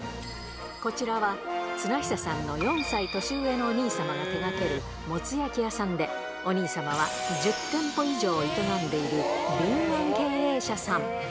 こちらは、綱久さんの４歳年上のお兄様が手がけるもつ焼き屋さんで、お兄様は１０店舗以上を営んでいる敏腕経営者さん。